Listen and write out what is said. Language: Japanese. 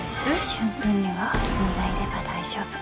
舜くんには君がいれば大丈夫。